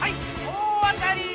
大当たり！